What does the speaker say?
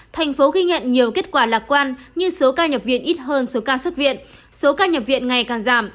thành phố ghi nhận nhiều kết quả lạc quan như số ca nhập viện ít hơn số ca xuất viện số ca nhập viện ngày càng giảm